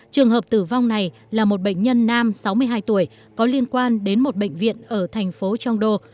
trường hợp tử vong này là một bệnh nhân nam sáu mươi hai tuổi có liên quan đến một bệnh viện ở thành phố trong đô